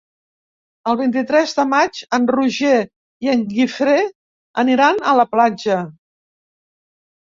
El vint-i-tres de maig en Roger i en Guifré aniran a la platja.